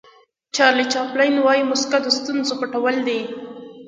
چارلي چاپلین وایي موسکا د ستونزو پټول دي.